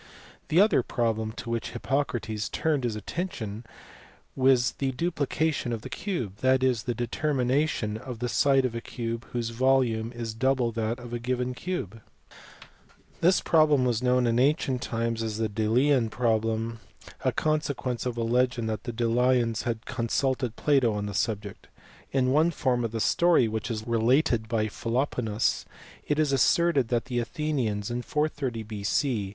The other problem to which Hippocrates turned his atten tion was the duplication of the cube, that is, the determination of the side of a cube whose volume is double that of a given cube. Th Mem was known in ancient times as the Delian proble } jirn consequence of a legend that the Delians had consul teu Jr lato on the subject. In one form of the story, which is related by Philoponus, it is asserted that the Athenians in 430 B.C.